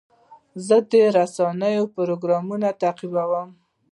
زه د رسنیو پروګرام تعقیبوم.